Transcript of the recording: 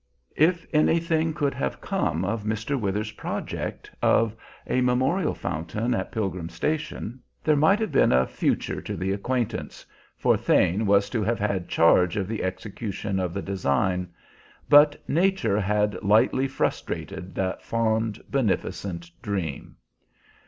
If anything could have come of Mr. Withers's project of a memorial fountain at Pilgrim Station, there might have been a future to the acquaintance, for Thane was to have had charge of the execution of the design; but nature had lightly frustrated that fond, beneficent dream.